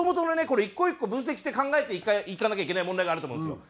これ１個１個分析して考えていかなきゃいけない問題があると思うんですよ。